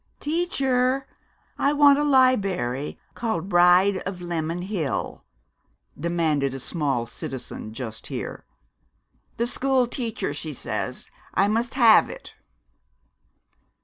"Teacher! I want a liberry called 'Bride of Lemon Hill!' demanded a small citizen just here. The school teacher, she says I must to have it!"